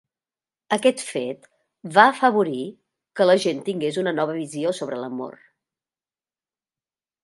Aquest fet va afavorir que la gent tingués una nova visió sobre l'amor.